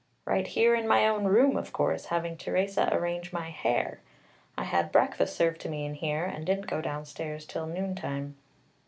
"Right here in my own room, of course, having Teresa arrange my hair. I had breakfast served to me in here, and didn't go downstairs till noontime."